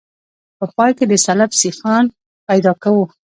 په پای کې د سلب سیخان پیدا کوو